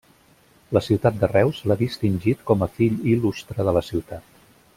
La ciutat de Reus l'ha distingit com a fill il·lustre de la ciutat.